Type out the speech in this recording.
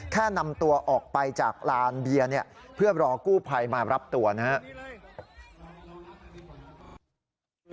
แค่นำตัวออกไปจากร้านเบียนเพื่อรอกู้ภัยมารับตัวนะฮะ